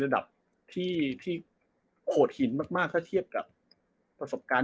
ระดับที่ที่โหดหินมากมากถ้าเทียบกับประสบการณ์ที่